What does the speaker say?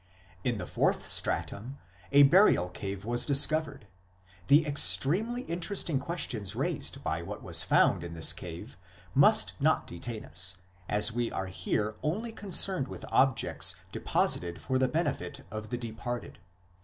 In the fourth stratum a Burial Cave was discovered ; the extremely interesting questions raised by what was found in this cave (mention of it has been made above, pp. 115 ft.) must not detain us l as we are here only concerned with objects deposited for the benefit of the departed.